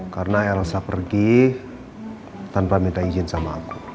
karena elsa pergi tanpa minta izin sama aku